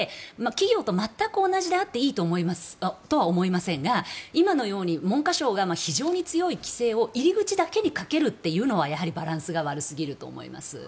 企業と全く同じであっていいとは思いませんが今のように文科省が非常に強い規制を入り口だけにかけるというのはバランスが悪すぎると思います。